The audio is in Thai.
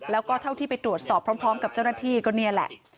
แล้วก็เท่าที่ไปตรวจสอบพร้อมกับเจ้าหน้าที่ก็นี่แหละ